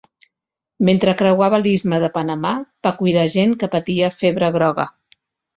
Mentre creuava l'istme de Panamà, va cuidar gent que patia febre groga.